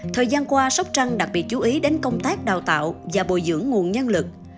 thời gian qua sóc trăng đặc biệt chú ý đến công tác đào tạo và bồi dưỡng nguồn nhân lực